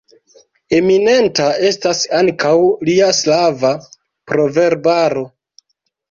Eminenta estas ankaŭ lia slava proverbaro.